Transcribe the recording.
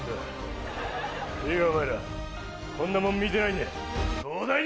いいかお前らこんなもん見てないで。